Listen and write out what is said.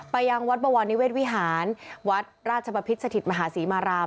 ยังวัดบวรนิเวศวิหารวัดราชบพิษสถิตมหาศรีมาราม